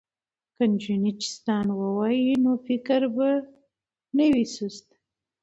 که نجونې چیستان ووايي نو فکر به نه وي سست.